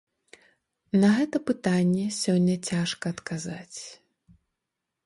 На гэта пытанне сёння цяжка адказаць.